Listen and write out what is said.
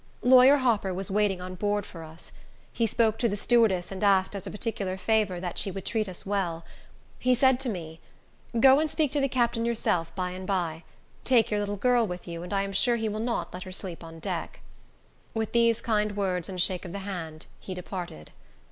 Lawyer Hopper was waiting on board for us. He spoke to the stewardess, and asked, as a particular favor, that she would treat us well. He said to me, "Go and speak to the captain yourself by and by. Take your little girl with you, and I am sure that he will not let her sleep on deck." With these kind words and a shake of the hand he departed.